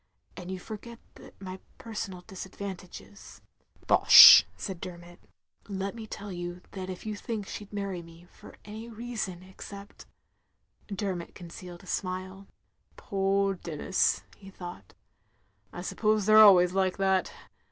And you forget that my personal disadvantages —" *'Bosh," said Dermot. 284 THE LONELY LADY " Let me tell you that if you think she 'd many me for any reason except —*' Dermot concealed a smile. "Poor Denis," he thought. "I suppose they 're always like that.